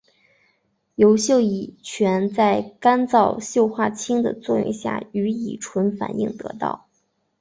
由溴乙醛在干燥溴化氢作用下与乙醇反应得到。